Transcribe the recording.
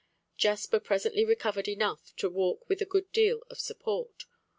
Jasper presently recovered enough to walk with a good deal of support.